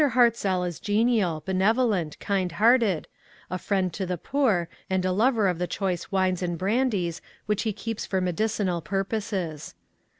Hartzell is genial, benevolent, kind hearted, a friend to the poor, and a lover of the choice wines and bran dies which he keeps for medicinal purposes.